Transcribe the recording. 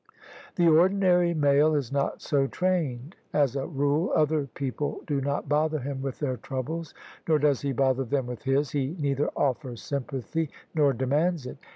The ordinary male is not so trained: as a rule other people do not bother him with their troubles, nor does he bother them with his; he neither offers sympathy nor demands it.